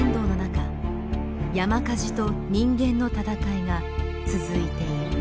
火事と人間の戦いが続いている。